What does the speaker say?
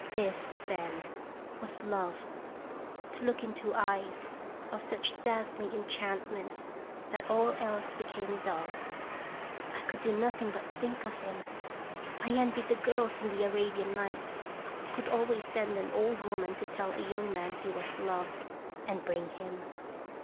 This, then, was love, to look into eyes of such dazzling enchantment that all else became dull. I could do nothing but think of him. I envied the girls in the "Arabian Nights," who could always send an old woman to tell a young man he was loved, and bring him.